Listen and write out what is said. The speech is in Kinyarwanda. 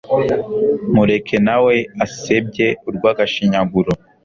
Mureke na we asebye urwagashinyaguro